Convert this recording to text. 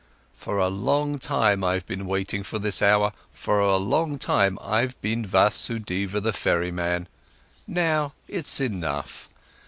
For a long time, I've been waiting for this hour; for a long time, I've been Vasudeva the ferryman. Now it's enough.